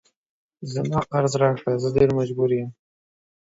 زما قرض راکړه زه ډیر مجبور یم